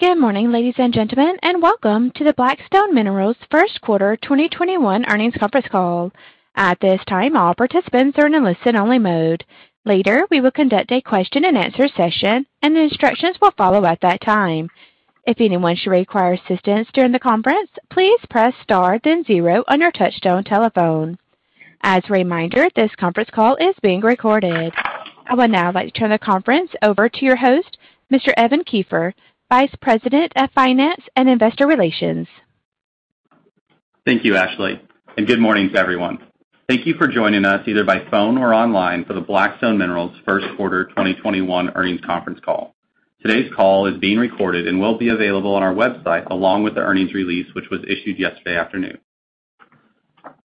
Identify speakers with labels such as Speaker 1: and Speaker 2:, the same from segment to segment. Speaker 1: Good morning, ladies and gentlemen, and welcome to the Black Stone Minerals first quarter 2021 earnings conference call. At this time, all participants are in listen only mode. Later, we will conduct a question and answer session, and the instructions will follow at that time. If anyone should require assistance during the conference, please press star then zero on your touchtone telephone. As a reminder, this conference call is being recorded. I would now like to turn the conference over to your host, Mr. Evan Kiefer, Vice President of Finance and Investor Relations.
Speaker 2: Thank you, Ashley, and good morning to everyone. Thank you for joining us either by phone or online for the Black Stone Minerals first quarter 2021 earnings conference call. Today's call is being recorded and will be available on our website along with the earnings release, which was issued yesterday afternoon.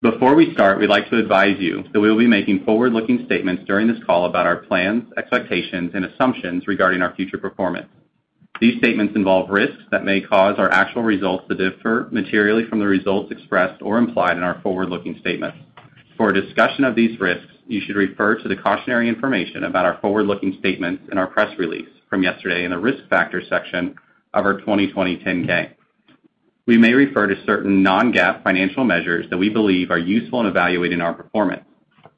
Speaker 2: Before we start, we'd like to advise you that we will be making forward-looking statements during this call about our plans, expectations, and assumptions regarding our future performance. These statements involve risks that may cause our actual results to differ materially from the results expressed or implied in our forward-looking statements. For a discussion of these risks, you should refer to the cautionary information about our forward-looking statements in our press release from yesterday in the Risk Factors section of our 2020 10-K. We may refer to certain non-GAAP financial measures that we believe are useful in evaluating our performance.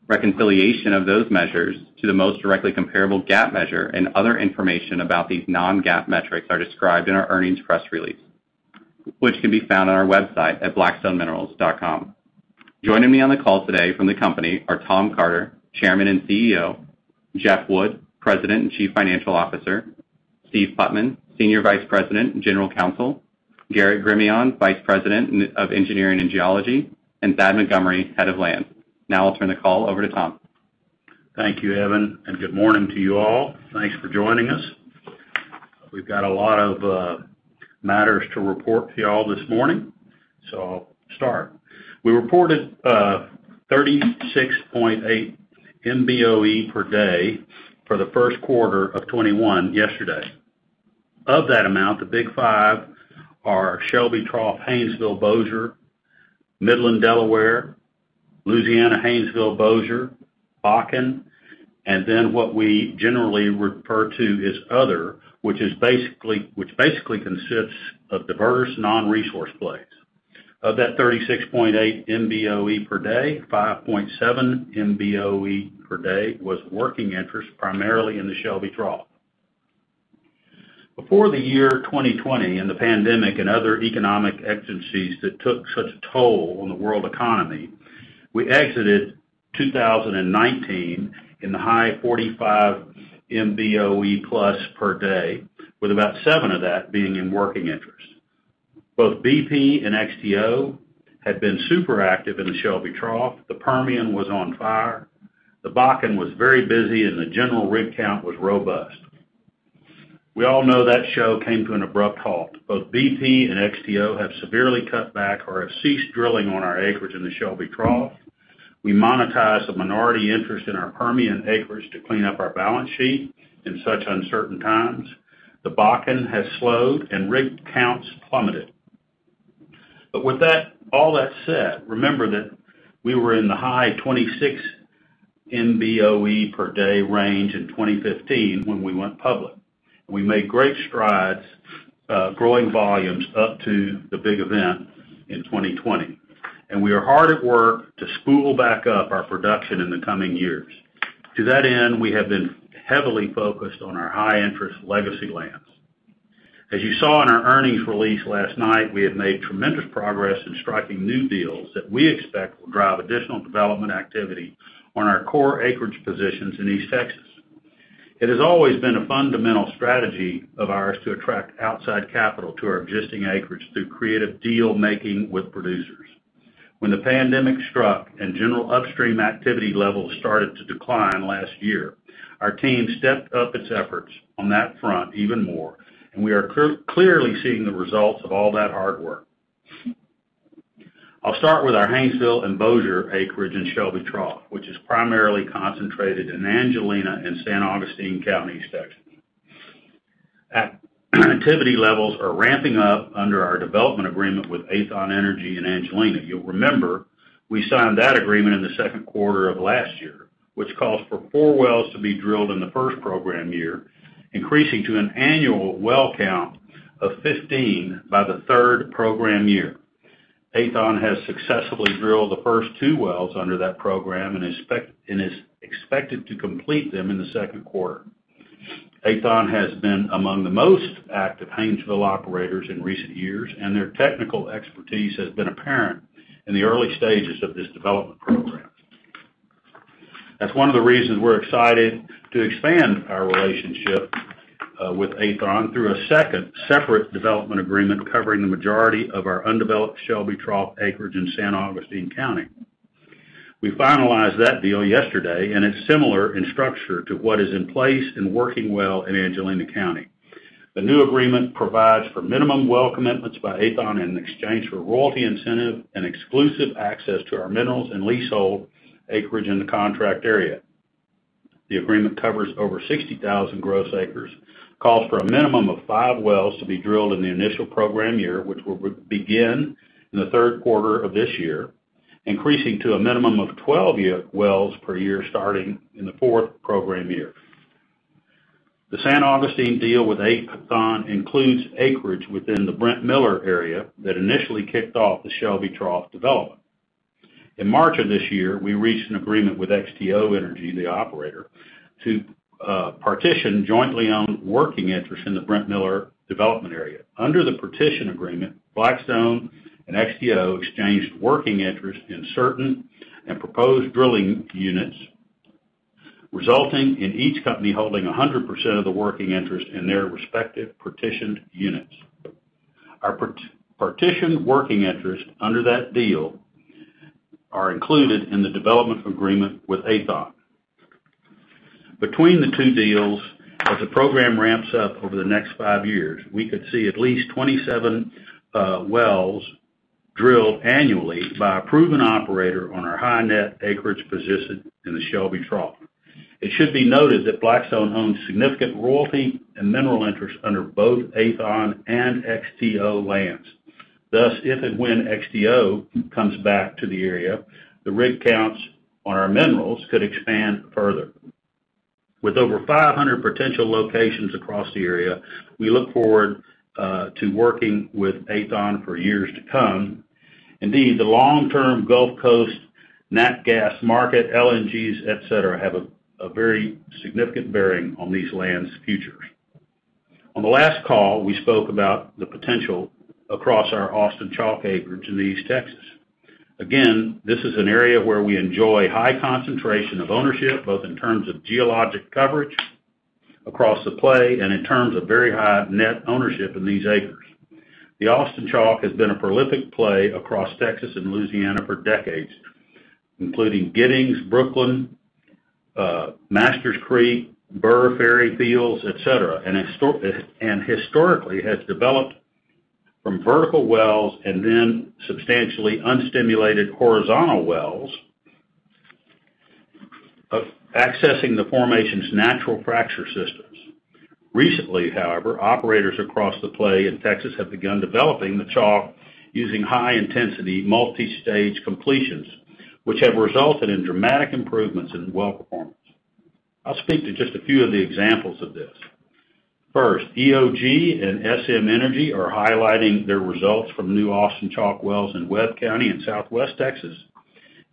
Speaker 2: Reconciliation of those measures to the most directly comparable GAAP measure and other information about these non-GAAP metrics are described in our earnings press release, which can be found on our website at blackstoneminerals.com. Joining me on the call today from the company are Tom Carter, Chairman and CEO; Jeff Wood, President and Chief Financial Officer; Steve Putman, Senior Vice President and General Counsel; Garrett Gremillion, Vice President of Engineering and Geology; and Thad Montgomery, Head of Land. Now I'll turn the call over to Tom Carter.
Speaker 3: Thank you, Evan, and good morning to you all. Thanks for joining us. We've got a lot of matters to report to y'all this morning. I'll start. We reported 36.8 MBOE per day for the first quarter of 2021 yesterday. Of that amount, the big five are Shelby Trough Haynesville Bossier, Midland Delaware, Louisiana Haynesville Bossier, Bakken, and then what we generally refer to as Other, which basically consists of diverse non-resource plays. Of that 36.8 MBOE per day, 5.7 MBOE per day was working interest primarily in the Shelby Trough. Before the year 2020 and the pandemic and other economic exigencies that took such a toll on the world economy, we exited 2019 in the high 45 MBOE plus per day, with about seven of that being in working interest. Both BP and XTO had been super active in the Shelby Trough. The Permian was on fire. The Bakken was very busy, and the general rig count was robust. We all know that show came to an abrupt halt. Both BP and XTO have severely cut back or have ceased drilling on our acreage in the Shelby Trough. We monetized a minority interest in our Permian acreage to clean up our balance sheet in such uncertain times. The Bakken has slowed and rig counts plummeted. With all that said, remember that we were in the high 26 MBOE per day range in 2015 when we went public. We made great strides, growing volumes up to the big event in 2020. We are hard at work to spool back up our production in the coming years. To that end, we have been heavily focused on our high-interest legacy lands. As you saw in our earnings release last night, we have made tremendous progress in striking new deals that we expect will drive additional development activity on our core acreage positions in East Texas. It has always been a fundamental strategy of ours to attract outside capital to our existing acreage through creative deal-making with producers. When the pandemic struck and general upstream activity levels started to decline last year, our team stepped up its efforts on that front even more, and we are clearly seeing the results of all that hard work. I'll start with our Haynesville and Bossier acreage in Shelby Trough, which is primarily concentrated in Angelina and San Augustine County, East Texas. Activity levels are ramping up under our development agreement with Aethon Energy in Angelina. You'll remember we signed that agreement in the second quarter of last year, which calls for four wells to be drilled in the first program year, increasing to an annual well count of 15 by the third program year. Aethon has successfully drilled the first two wells under that program and is expected to complete them in the second quarter. Aethon has been among the most active Haynesville operators in recent years. Their technical expertise has been apparent in the early stages of this development program. That's one of the reasons we're excited to expand our relationship with Aethon through a second separate development agreement covering the majority of our undeveloped Shelby Trough acreage in San Augustine County. We finalized that deal yesterday. It's similar in structure to what is in place and working well in Angelina County. The new agreement provides for minimum well commitments by Aethon in exchange for royalty incentive and exclusive access to our minerals and leasehold acreage in the contract area. The agreement covers over 60,000 gross acres, calls for a minimum of five wells to be drilled in the initial program year, which will begin in the third quarter of this year, increasing to a minimum of 12 wells per year starting in the fourth program year. The San Augustine deal with Aethon includes acreage within the Brent Miller area that initially kicked off the Shelby Trough development. In March of this year, we reached an agreement with XTO Energy, the operator, to partition jointly owned working interest in the Brent Miller development area. Under the partition agreement, Black Stone and XTO exchanged working interest in certain and proposed drilling units, resulting in each company holding 100% of the working interest in their respective partitioned units. Our partitioned working interest under that deal are included in the development agreement with Aethon. Between the two deals, as the program ramps up over the next five years, we could see at least 27 wells drilled annually by a proven operator on our high net acreage position in the Shelby Trough. It should be noted that Black Stone owns significant royalty and mineral interests under both Aethon and XTO lands. If and when XTO comes back to the area, the rig counts on our minerals could expand further. With over 500 potential locations across the area, we look forward to working with Aethon for years to come. Indeed, the long-term Gulf Coast, nat gas market, LNGs, et cetera, have a very significant bearing on these lands' futures. On the last call, we spoke about the potential across our Austin Chalk acreage in East Texas. Again, this is an area where we enjoy high concentration of ownership, both in terms of geologic coverage across the play and in terms of very high net ownership in these acres. The Austin Chalk has been a prolific play across Texas and Louisiana for decades, including Giddings, Brookeland, Masters Creek, Burr Ferry Field, et cetera, and historically has developed from vertical wells and then substantially unstimulated horizontal wells, accessing the formation's natural fracture systems. Recently, however, operators across the play in Texas have begun developing the Chalk using high-intensity, multi-stage completions, which have resulted in dramatic improvements in well performance. I'll speak to just a few of the examples of this. First, EOG and SM Energy are highlighting their results from new Austin Chalk wells in Webb County and Southwest Texas.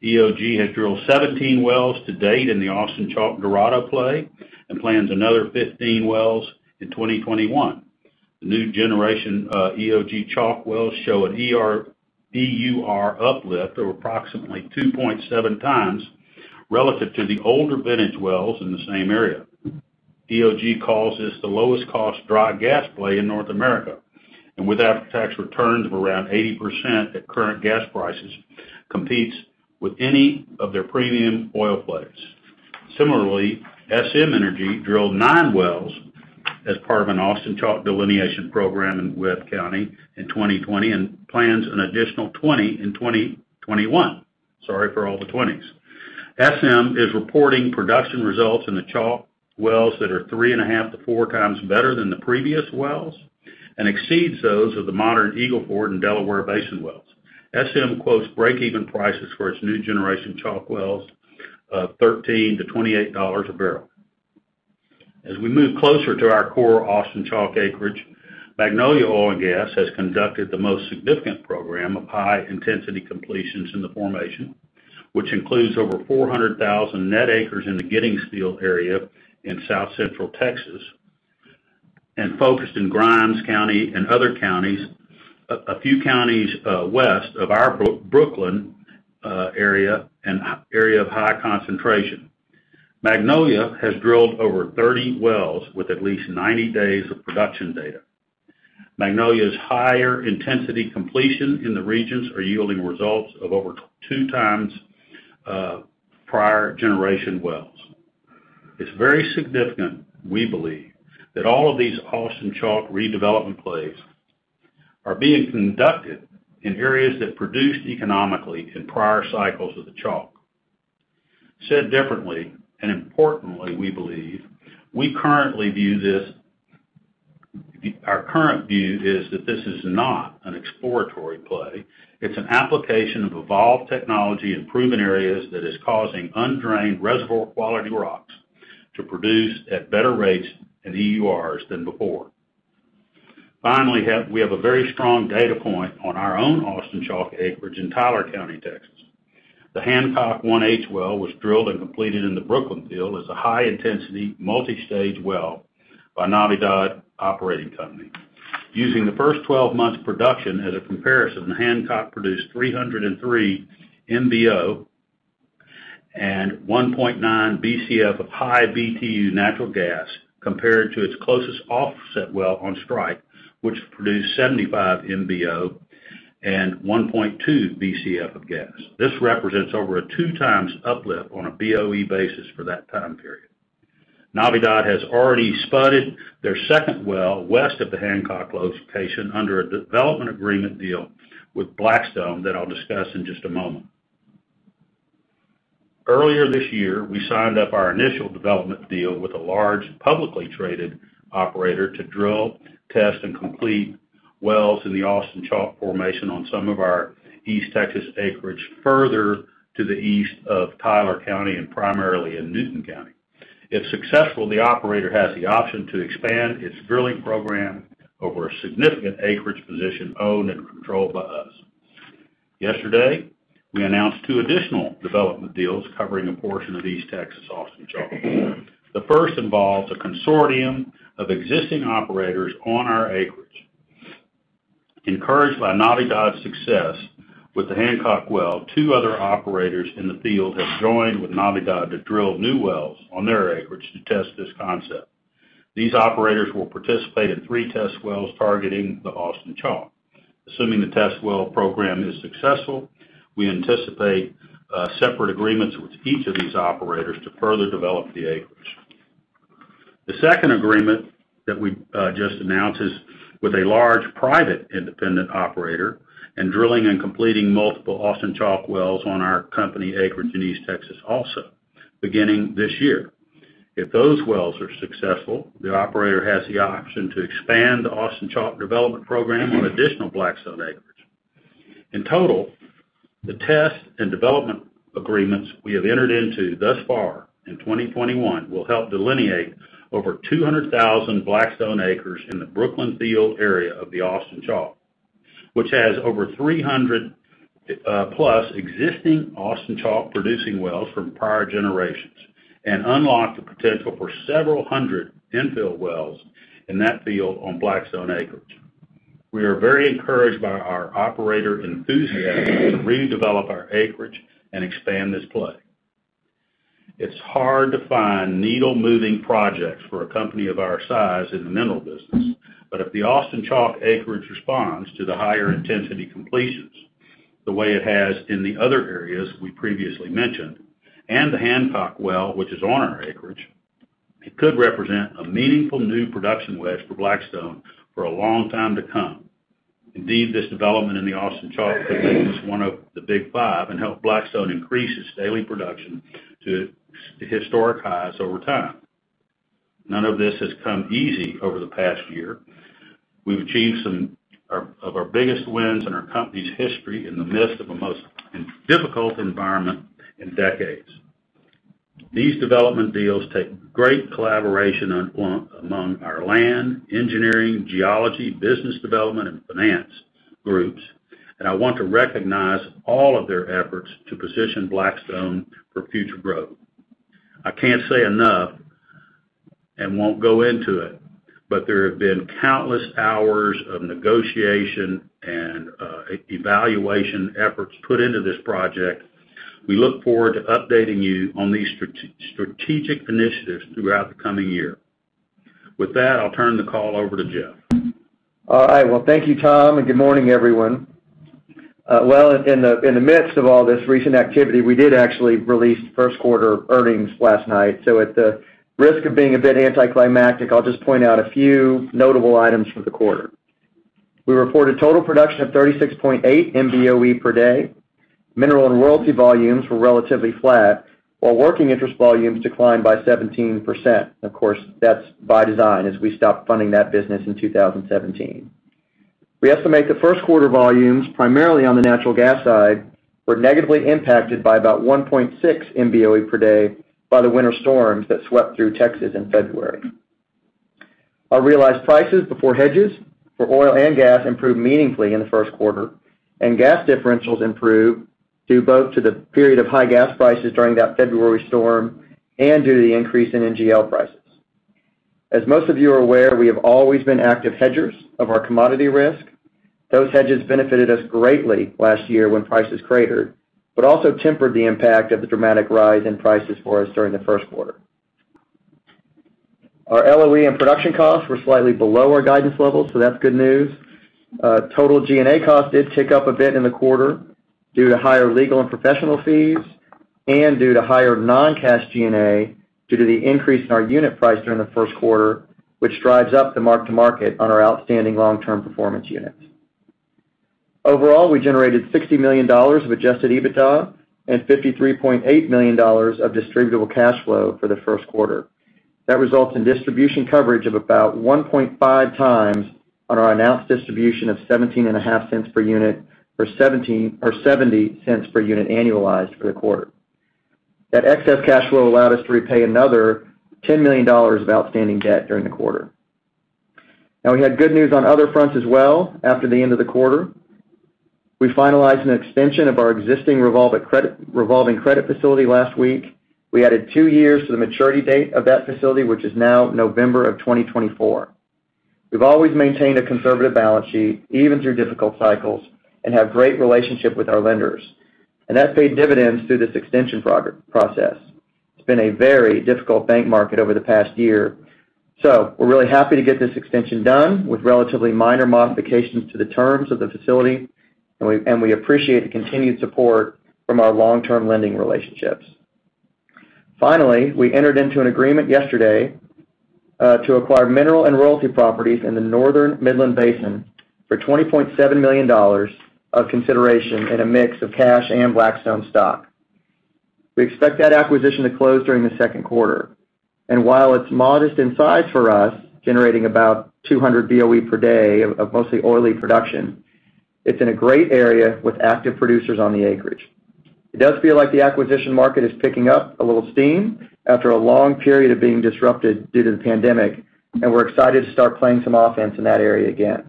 Speaker 3: EOG has drilled 17 wells to date in the Austin Chalk Dorado play and plans another 15 wells in 2021. The new generation EOG Chalk wells show an EUR uplift of approximately 2.7x relative to the older vintage wells in the same area. EOG calls this the lowest cost dry gas play in North America, and with after-tax returns of around 80% at current gas prices, competes with any of their premium oil plays. Similarly, SM Energy drilled nine wells as part of an Austin Chalk delineation program in Webb County in 2020 and plans an additional 20 in 2021. Sorry for all the 20s. SM is reporting production results in the Chalk wells that are 3.5 to 4x better than the previous wells and exceeds those of the modern Eagle Ford and Delaware Basin wells. SM quotes break-even prices for its new generation Chalk wells of $13-$28 a barrel. As we move closer to our core Austin Chalk acreage, Magnolia Oil & Gas has conducted the most significant program of high-intensity completions in the formation, which includes over 400,000 net acres in the Giddings Field area in South Central Texas, and focused in Grimes County and other counties, a few counties west of our Brookeland area, an area of high concentration. Magnolia has drilled over 30 wells with at least 90 days of production data. Magnolia's higher intensity completion in the regions are yielding results of over 2x prior generation wells. It's very significant, we believe, that all of these Austin Chalk redevelopment plays are being conducted in areas that produced economically in prior cycles of the Chalk. Said differently, and importantly we believe, our current view is that this is not an exploratory play. It's an application of evolved technology in proven areas that is causing undrained reservoir-quality rocks to produce at better rates and EURs than before. Finally, we have a very strong data point on our own Austin Chalk acreage in Tyler County, Texas. The Hancock 1H well was drilled and completed in the Brookeland Field as a high-intensity, multi-stage well by Navidad Operating Company. Using the first 12 months production as a comparison, Hancock produced 303 MBO and 1.9 Bcf of high BTU natural gas compared to its closest offset well on strike, which produced 75 MBO and 1.2 Bcf of gas. This represents over a two times uplift on a BOE basis for that time period. Navidad has already spudded their second well west of the Hancock location under a development agreement deal with Black Stone that I'll discuss in just a moment. Earlier this year, we signed up our initial development deal with a large publicly traded operator to drill, test, and complete wells in the Austin Chalk formation on some of our East Texas acreage further to the east of Tyler County and primarily in Newton County. If successful, the operator has the option to expand its drilling program over a significant acreage position owned and controlled by us. Yesterday, we announced two additional development deals covering a portion of East Texas Austin Chalk. The first involves a consortium of existing operators on our acreage. Encouraged by Navidad's success with the Hancock well, two other operators in the field have joined with Navidad to drill new wells on their acreage to test this concept. These operators will participate in three test wells targeting the Austin Chalk. Assuming the test well program is successful, we anticipate separate agreements with each of these operators to further develop the acreage. The second agreement that we just announced is with a large private independent operator in drilling and completing multiple Austin Chalk wells on our company acreage in East Texas also, beginning this year. If those wells are successful, the operator has the option to expand the Austin Chalk development program on additional Black Stone acreage. In total, the test and development agreements we have entered into thus far in 2021 will help delineate over 200,000 Black Stone acres in the Brookeland Field area of the Austin Chalk, which has over 300+ existing Austin Chalk producing wells from prior generations and unlock the potential for several hundred infill wells in that field on Black Stone acreage. We are very encouraged by our operator enthusiasm to redevelop our acreage and expand this play. It's hard to find needle-moving projects for a company of our size in the mineral business, but if the Austin Chalk acreage responds to the higher intensity completions the way it has in the other areas we previously mentioned, and the Hancock well, which is on our acreage, it could represent a meaningful new production wedge for Black Stone for a long time to come. Indeed, this development in the Austin Chalk could make us one of the Big Five and help Black Stone increase its daily production to historic highs over time. None of this has come easy over the past year. We've achieved some of our biggest wins in our company's history in the midst of the most difficult environment in decades. These development deals take great collaboration among our land, engineering, geology, business development, and finance groups, I want to recognize all of their efforts to position Black Stone for future growth. I can't say enough, and won't go into it, but there have been countless hours of negotiation and evaluation efforts put into this project. We look forward to updating you on these strategic initiatives throughout the coming year. With that, I'll turn the call over to Jeff.
Speaker 4: All right. Well, thank you, Tom, and good morning, everyone. Well, in the midst of all this recent activity, we did actually release first quarter earnings last night. At the risk of being a bit anticlimactic, I'll just point out a few notable items for the quarter. We reported total production of 36.8 MBOE per day. Mineral and royalty volumes were relatively flat, while working interest volumes declined by 17%. Of course, that's by design, as we stopped funding that business in 2017. We estimate the first quarter volumes, primarily on the natural gas side, were negatively impacted by about 1.6 MBOE per day by the winter storms that swept through Texas in February. Our realized prices before hedges for oil and gas improved meaningfully in the first quarter. Gas differentials improved due both to the period of high gas prices during that February storm and due to the increase in NGL prices. As most of you are aware, we have always been active hedgers of our commodity risk. Those hedges benefited us greatly last year when prices cratered. Also tempered the impact of the dramatic rise in prices for us during the first quarter. Our LOE and production costs were slightly below our guidance levels. That's good news. Total G&A costs did tick up a bit in the quarter due to higher legal and professional fees. Due to higher non-cash G&A due to the increase in our unit price during the first quarter, which drives up the mark to market on our outstanding long-term performance units. Overall, we generated $60 million of adjusted EBITDA and $53.8 million of distributable cash flow for the first quarter. That results in distribution coverage of about 1.5x on our announced distribution of $0.175 per unit or $0.70 per unit annualized for the quarter. That excess cash flow allowed us to repay another $10 million of outstanding debt during the quarter. Now, we had good news on other fronts as well after the end of the quarter. We finalized an extension of our existing revolving credit facility last week. We added two years to the maturity date of that facility, which is now November of 2024. We've always maintained a conservative balance sheet, even through difficult cycles, and have great relationship with our lenders. That paid dividends through this extension process. It's been a very difficult bank market over the past year. We're really happy to get this extension done with relatively minor modifications to the terms of the facility, and we appreciate the continued support from our long-term lending relationships. We entered into an agreement yesterday to acquire mineral and royalty properties in the Northern Midland Basin for $20.7 million of consideration in a mix of cash and Black Stone stock. We expect that acquisition to close during the second quarter. While it's modest in size for us, generating about 200 BOE per day of mostly oily production, it's in a great area with active producers on the acreage. It does feel like the acquisition market is picking up a little steam after a long period of being disrupted due to the pandemic, and we're excited to start playing some offense in that area again.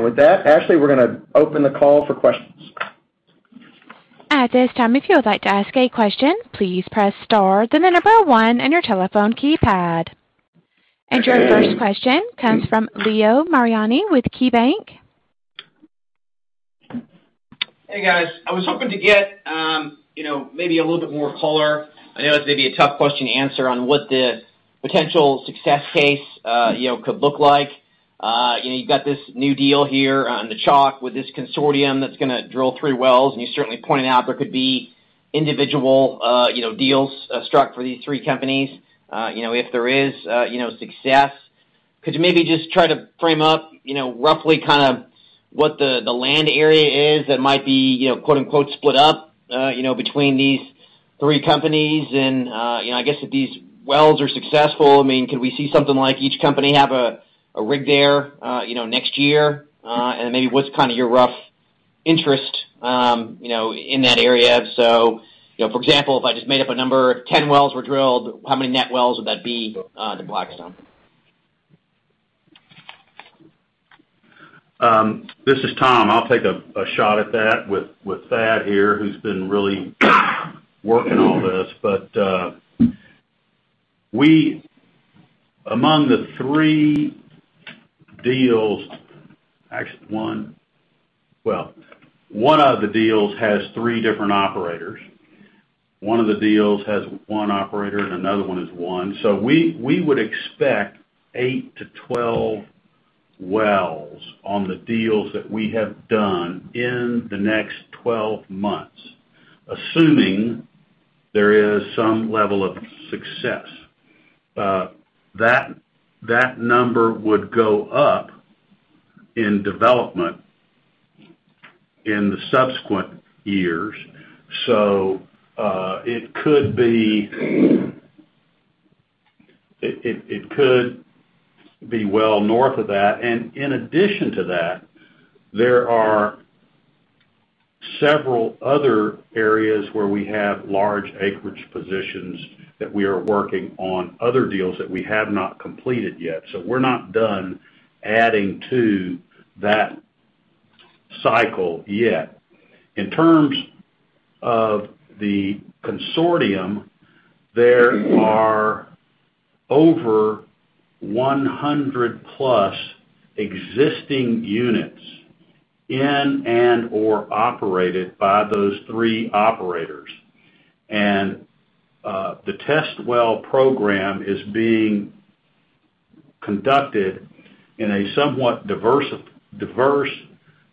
Speaker 4: With that, Ashley, we're going to open the call for questions.
Speaker 1: At this time, if you would like to ask a question, please press star, then the number one on your telephone keypad. Your first question comes from Leo Mariani with KeyBanc.
Speaker 5: Hey, guys. I was hoping to get maybe a little bit more color. I know this may be a tough question to answer on what the potential success case could look like. You've got this new deal here on the Chalk with this consortium that's going to drill three wells. You certainly pointed out there could be individual deals struck for these three companies. If there is success, could you maybe just try to frame up roughly what the land area is that might be "split up" between these three companies? I guess if these wells are successful, could we see something like each company have a rig there next year? Maybe what's your rough interest in that area? For example, if I just made up a number, if 10 wells were drilled, how many net wells would that be to Black Stone?
Speaker 3: This is Tom. I'll take a shot at that with Thad here, who's been really working all this. Among the three deals. Actually, one. Well, one of the deals has three different operators. One of the deals has one operator, and another one has one. We would expect eight to 12 wells on the deals that we have done in the next 12 months, assuming there is some level of success. That number would go up in development in the subsequent years. It could be well north of that. And in addition to that, there are several other areas where we have large acreage positions that we are working on other deals that we have not completed yet. We're not done adding to that cycle yet. In terms of the consortium, there are over 100+ existing units in and/or operated by those three operators. The test well program is being conducted in a somewhat diverse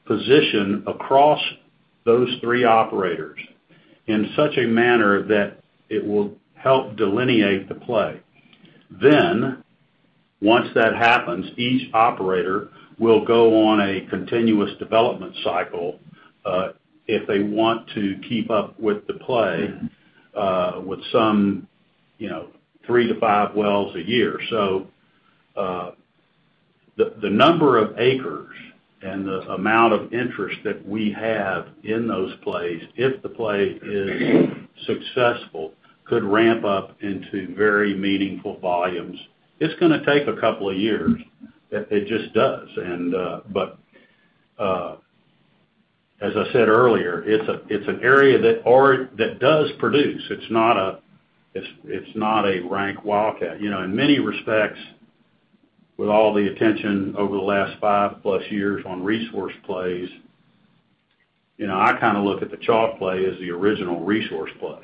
Speaker 3: position across those three operators in such a manner that it will help delineate the play. Once that happens, each operator will go on a continuous development cycle, if they want to keep up with the play, with some 3-5 wells a year. The number of acres and the amount of interest that we have in those plays, if the play is successful, could ramp up into very meaningful volumes. It's going to take a couple of years. It just does. As I said earlier, it's an area that does produce. It's not a rank wildcat. In many respects, with all the attention over the last 5+ years on resource plays, I look at the Chalk play as the original resource play.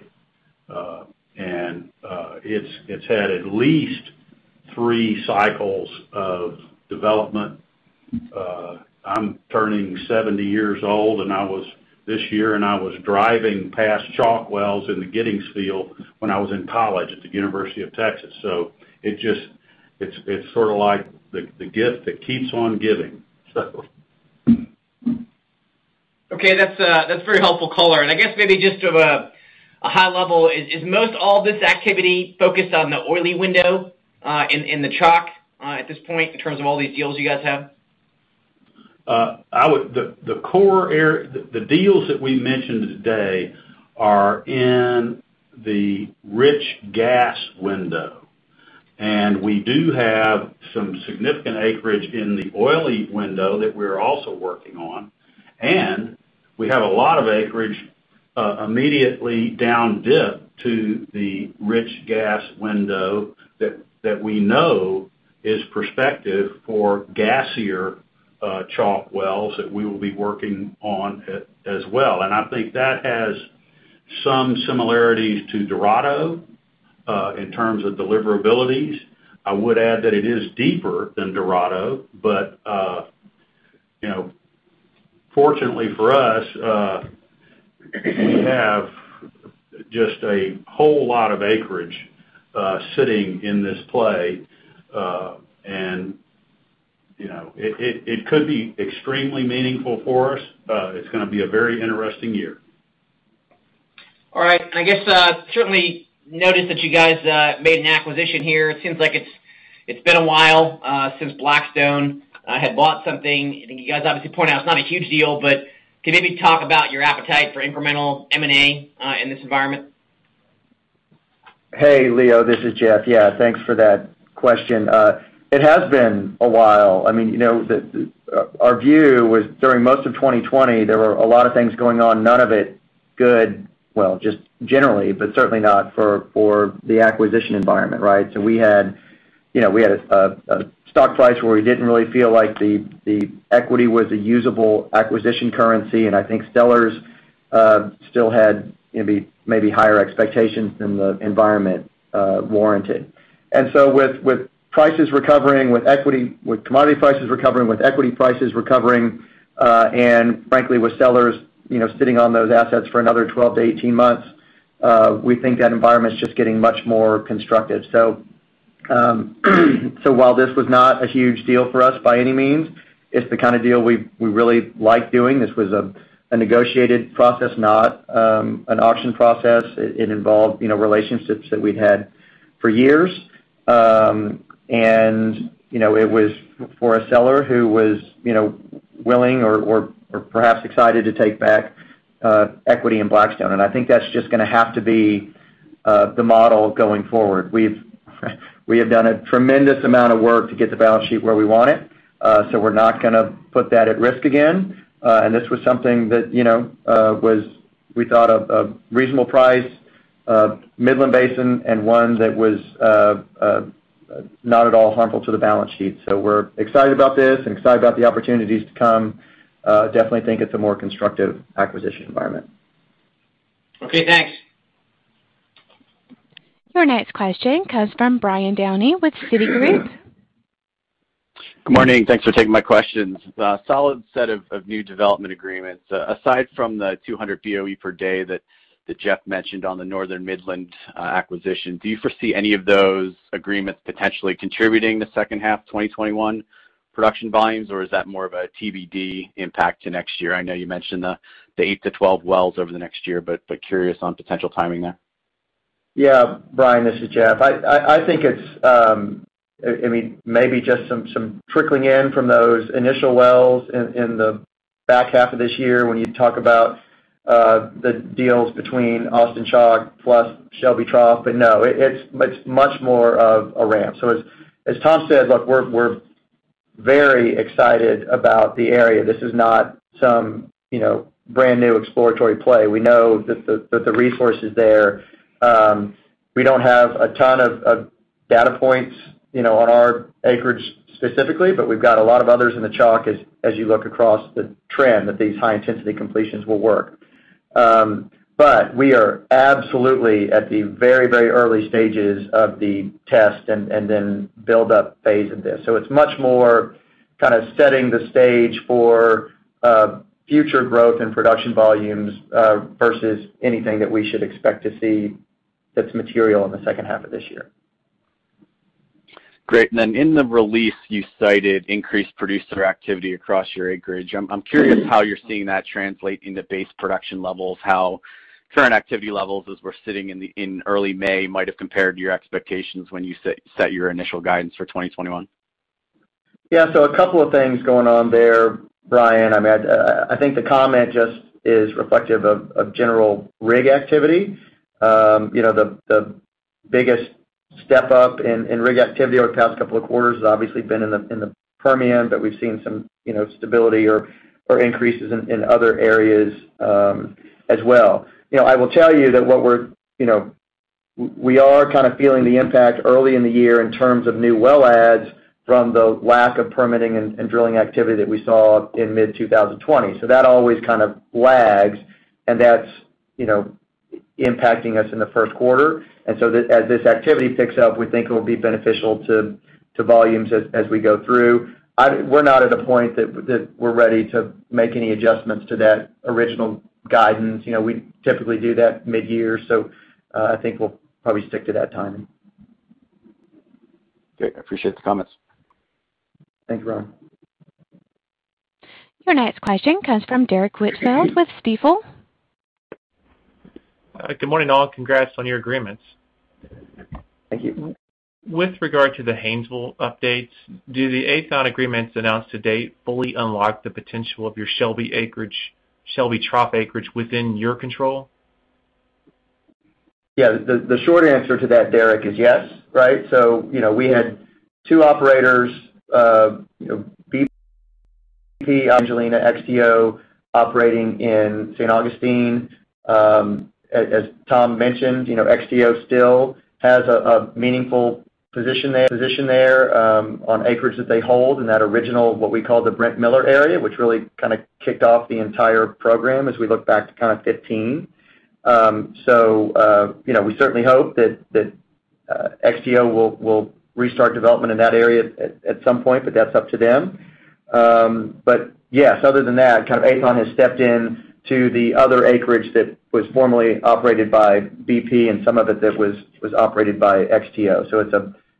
Speaker 3: It's had at least three cycles of development. I'm turning 70 years old this year, and I was driving past Chalk Wells in the Giddings field when I was in college at the University of Texas. It's like the gift that keeps on giving.
Speaker 5: Okay. That's very helpful color. I guess maybe just from a high level, is most all this activity focused on the oily window in the Chalk at this point in terms of all these deals you guys have?
Speaker 3: The deals that we mentioned today are in the rich gas window. We do have some significant acreage in the oily window that we're also working on. We have a lot of acreage immediately down dip to the rich gas window that we know is prospective for gassier Chalk wells that we will be working on as well. I think that has some similarities to Dorado, in terms of deliverabilities. I would add that it is deeper than Dorado. Fortunately for us, we have just a whole lot of acreage sitting in this play. It could be extremely meaningful for us, but it's going to be a very interesting year.
Speaker 5: All right. I guess, certainly noticed that you guys made an acquisition here. It seems like it's been a while since Black Stone had bought something. I think you guys obviously pointed out it's not a huge deal, but could maybe talk about your appetite for incremental M&A in this environment?
Speaker 4: Hey, Leo. This is Jeff. Yeah. Thanks for that question. It has been a while. Our view was during most of 2020, there were a lot of things going on, none of it good. Well, just generally, but certainly not for the acquisition environment, right? We had a stock price where we didn't really feel like the equity was a usable acquisition currency, and I think sellers still had maybe higher expectations than the environment warranted. With commodity prices recovering, with equity prices recovering, and frankly, with sellers sitting on those assets for another 12 to 18 months, we think that environment's just getting much more constructive. While this was not a huge deal for us by any means, it's the kind of deal we really like doing. This was a negotiated process, not an auction process. It involved relationships that we'd had for years. It was for a seller who was willing or perhaps excited to take back equity in Black Stone. I think that's just going to have to be the model going forward. We have done a tremendous amount of work to get the balance sheet where we want it. We're not going to put that at risk again. This was something that we thought a reasonable price, Midland Basin, one that was not at all harmful to the balance sheet. We're excited about this and excited about the opportunities to come. Definitely think it's a more constructive acquisition environment.
Speaker 5: Okay, thanks.
Speaker 1: Your next question comes from Brian Downey with Citigroup.
Speaker 6: Good morning. Thanks for taking my questions. A solid set of new development agreements. Aside from the 200 BOE per day that Jeff mentioned on the Northern Midland acquisition, do you foresee any of those agreements potentially contributing to second half 2021 production volumes, or is that more of a TBD impact to next year? I know you mentioned the eight to 12 wells over the next year, curious on potential timing there.
Speaker 4: Yeah. Brian, this is Jeff. I think it's maybe just some trickling in from those initial wells in the back half of this year when you talk about the deals between Austin Chalk plus Shelby Trough. No, it's much more of a ramp. As Tom said, look, we're very excited about the area. This is not some brand-new exploratory play. We know that the resource is there. We don't have a ton of data points on our acreage specifically, we've got a lot of others in the Chalk as you look across the trend, that these high-intensity completions will work. We are absolutely at the very early stages of the test and then build-up phase of this. It's much more kind of setting the stage for future growth and production volumes versus anything that we should expect to see that's material in the second half of this year.
Speaker 6: Great. In the release, you cited increased producer activity across your acreage. I'm curious how you're seeing that translate into base production levels, how current activity levels, as we're sitting in early May, might have compared to your expectations when you set your initial guidance for 2021.
Speaker 4: A couple of things going on there, Brian. I think the comment just is reflective of general rig activity. The biggest step up in rig activity over the past couple of quarters has obviously been in the Permian, we have seen some stability or increases in other areas as well. I will tell you that we are kind of feeling the impact early in the year in terms of new well adds from the lack of permitting and drilling activity that we saw in mid-2020. That always kind of lags, and that is impacting us in the first quarter. As this activity picks up, we think it will be beneficial to volumes as we go through. We are not at a point that we are ready to make any adjustments to that original guidance. We typically do that mid-year, I think we will probably stick to that timing.
Speaker 6: Great. I appreciate the comments.
Speaker 4: Thanks, Brian.
Speaker 1: Your next question comes from Derrick Whitfield with Stifel.
Speaker 7: Good morning, all. Congrats on your agreements.
Speaker 4: Thank you.
Speaker 7: With regard to the Haynesville updates, do the Aethon agreements announced to date fully unlock the potential of your Shelby Trough acreage within your control?
Speaker 4: Yeah. The short answer to that, Derrick, is yes. Right? We had two operators, BP on Angelina, XTO operating in San Augustine. As Tom mentioned, XTO still has a meaningful position there on acreage that they hold in that original, what we call the Brent Miller area, which really kind of kicked off the entire program as we look back to kind of 2015. We certainly hope that XTO will restart development in that area at some point, but that's up to them. Yes, other than that, Aethon has stepped in to the other acreage that was formerly operated by BP, and some of it that was operated by XTO. It's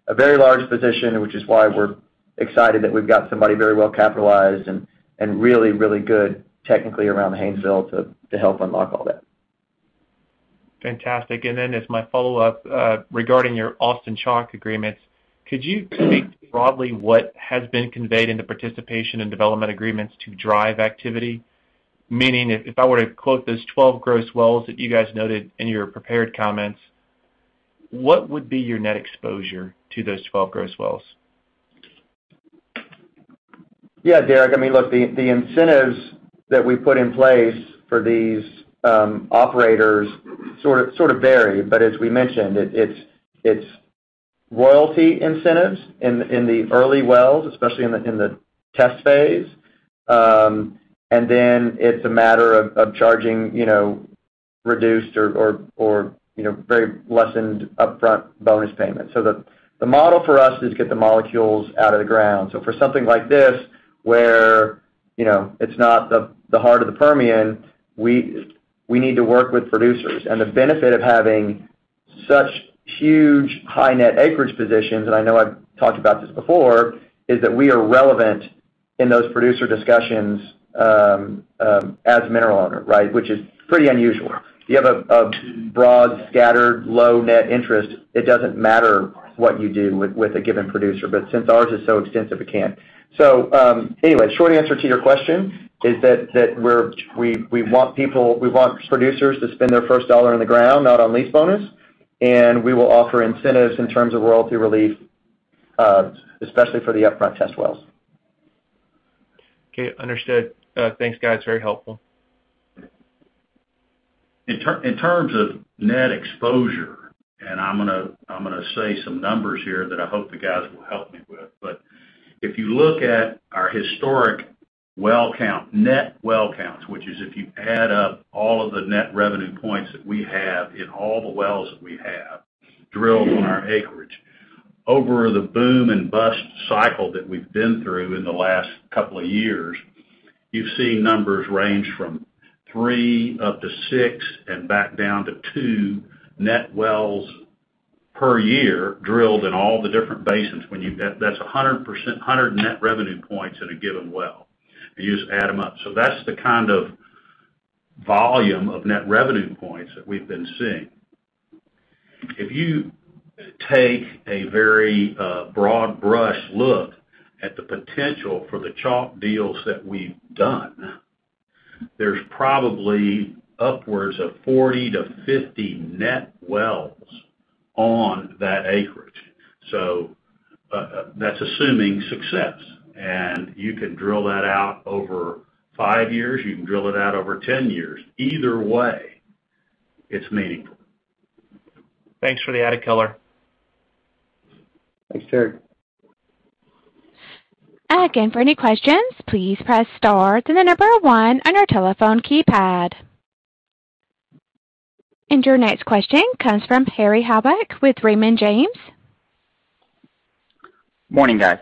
Speaker 4: a very large position, which is why we're excited that we've got somebody very well-capitalized and really, really good technically around the Haynesville to help unlock all that.
Speaker 7: Fantastic. As my follow-up, regarding your Austin Chalk agreements, could you speak broadly what has been conveyed in the participation and development agreements to drive activity? Meaning, if I were to quote those 12 gross wells that you guys noted in your prepared comments, what would be your net exposure to those 12 gross wells?
Speaker 4: Yeah, Derrick. Look, the incentives that we put in place for these operators sort of vary. As we mentioned, it's royalty incentives in the early wells, especially in the test phase, and then it's a matter of charging reduced or very lessened upfront bonus payments. The model for us is get the molecules out of the ground. For something like this where it's not the heart of the Permian, we need to work with producers. The benefit of having such huge high net acreage positions, and I know I've talked about this before, is that we are relevant in those producer discussions as a mineral owner, which is pretty unusual. If you have a broad, scattered, low net interest, it doesn't matter what you do with a given producer. Since ours is so extensive, it can. Short answer to your question is that we want producers to spend their first dollar in the ground, not on lease bonus, and we will offer incentives in terms of royalty relief, especially for the upfront test wells.
Speaker 7: Okay, understood. Thanks, guys. Very helpful.
Speaker 3: In terms of net exposure, I'm going to say some numbers here that I hope the guys will help me with, but if you look at our historic well count, net well counts, which is if you add up all of the net revenue points that we have in all the wells that we have drilled on our acreage. Over the boom and bust cycle that we've been through in the last couple of years, you've seen numbers range from three up to six and back down to two net wells per year drilled in all the different basins. That's 100 net revenue points in a given well, you just add them up. That's the kind of volume of net revenue points that we've been seeing. If you take a very broad-brush look at the potential for the Chalk deals that we've done, there's probably upwards of 40-50 net wells on that acreage. That's assuming success. You can drill that out over five years. You can drill it out over 10 years. Either way, it's meaningful.
Speaker 7: Thanks for the added color.
Speaker 4: Thanks, Derrick.
Speaker 1: Again, for any questions, please press star, then the number one on your telephone keypad. Your next question comes from Perry Habeck with Raymond James.
Speaker 8: Morning, guys.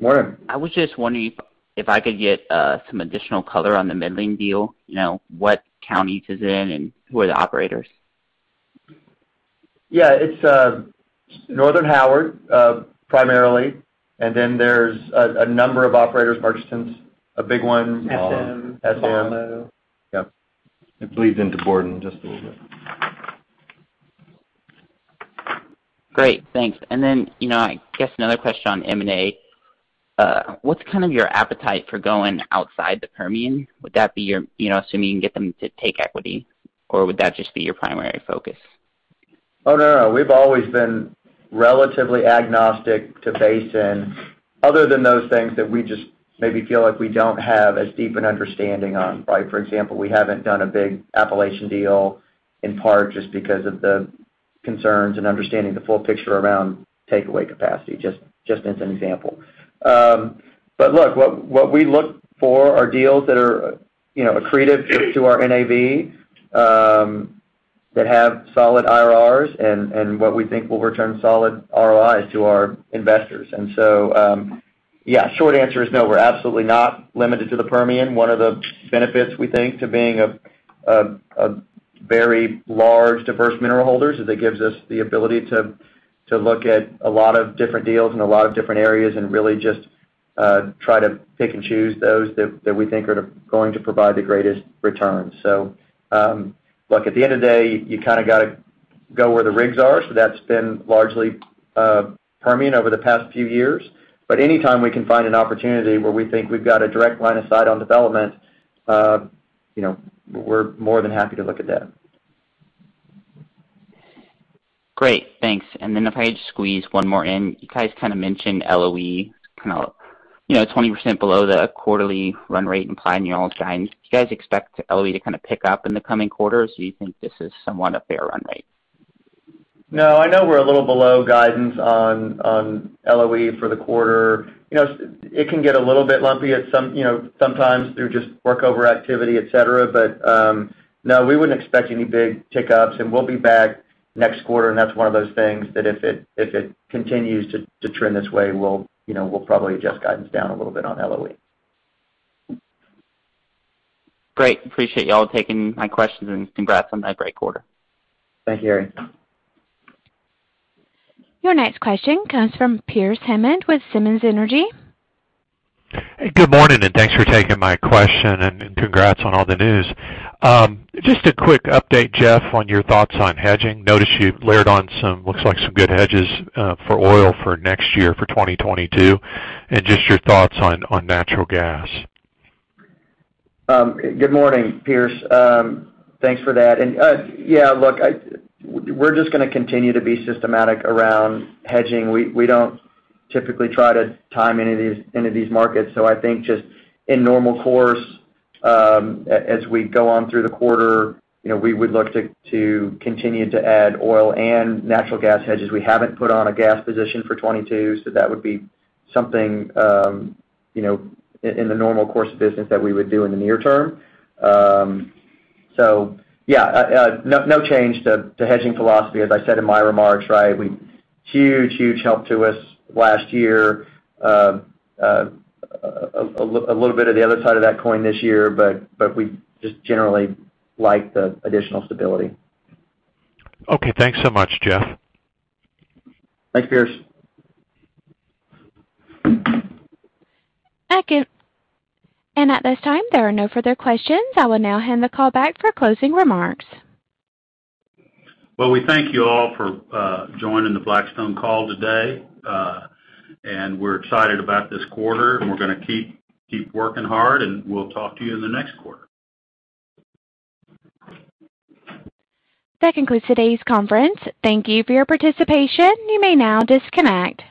Speaker 4: Morning.
Speaker 8: I was just wondering if I could get some additional color on the Midland deal, what county it is in, and who are the operators?
Speaker 4: Yeah. It's Northern Howard, primarily. Then there's a number of operators participating. SM.
Speaker 3: Yep. It bleeds into Borden just a little bit.
Speaker 8: Great, thanks. I guess another question on M&A. What's your appetite for going outside the Permian? Assuming you can get them to take equity, or would that just be your primary focus?
Speaker 4: Oh, no. We've always been relatively agnostic to basin, other than those things that we just maybe feel like we don't have as deep an understanding on. For example, we haven't done a big Appalachian deal, in part just because of the concerns and understanding the full picture around takeaway capacity, just as an example. Look, what we look for are deals that are accretive to our NAV, that have solid IRRs, and what we think will return solid ROIs to our investors. Yeah, short answer is no. We're absolutely not limited to the Permian. One of the benefits, we think, to being a very large diverse mineral holder is it gives us the ability to look at a lot of different deals in a lot of different areas and really just try to pick and choose those that we think are going to provide the greatest return. Look, at the end of the day, you've got to go where the rigs are. That's been largely Permian over the past few years. Any time we can find an opportunity where we think we've got a direct line of sight on development, we're more than happy to look at that.
Speaker 8: Great, thanks. If I could just squeeze one more in. You guys mentioned LOE 20% below the quarterly run rate implied in y'all's guidance. Do you guys expect LOE to pick up in the coming quarters, or do you think this is somewhat a fair run rate?
Speaker 4: No, I know we're a little below guidance on LOE for the quarter. It can get a little bit lumpy sometimes through just work over activity, et cetera. No, we wouldn't expect any big tick ups, and we'll be back. Next quarter, that's one of those things that if it continues to trend this way, we'll probably adjust guidance down a little bit on LOE.
Speaker 8: Great. Appreciate you all taking my questions. Congrats on that great quarter.
Speaker 4: Thank you, Perry.
Speaker 1: Your next question comes from Pearce Hammond with Simmons Energy.
Speaker 9: Good morning, and thanks for taking my question, and congrats on all the news. Just a quick update, Jeff, on your thoughts on hedging. Noticed you've layered on looks like some good hedges for oil for next year, for 2022. Just your thoughts on natural gas.
Speaker 4: Good morning, Pearce. Thanks for that. Yeah, look, we're just going to continue to be systematic around hedging. We don't typically try to time any of these markets. I think just in normal course, as we go on through the quarter, we would look to continue to add oil and natural gas hedges. We haven't put on a gas position for 2022, that would be something, in the normal course of business, that we would do in the near term. Yeah, no change to hedging philosophy. As I said in my remarks, right, huge help to us last year. A little bit of the other side of that coin this year, but we just generally like the additional stability.
Speaker 9: Okay. Thanks so much, Jeff.
Speaker 4: Thanks, Pearce.
Speaker 1: Thank you. At this time, there are no further questions. I will now hand the call back for closing remarks.
Speaker 4: Well, we thank you all for joining the Black Stone call today. We're excited about this quarter, and we're going to keep working hard, and we'll talk to you in the next quarter.
Speaker 1: That concludes today's conference. Thank you for your participation. You may now disconnect.